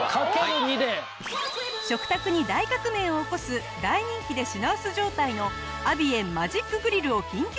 食卓に大革命を起こす大人気で品薄状態のアビエンマジックグリルを緊急確保。